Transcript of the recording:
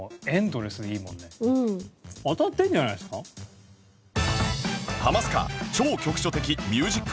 当たってるんじゃないですか？